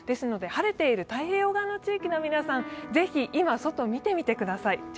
晴れている太平洋側の地域の皆さん、ぜひ今外を見てみてください。